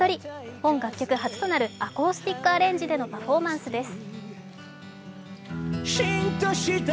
本楽曲初となるアコースティックアレンジでのパフォーマンスです。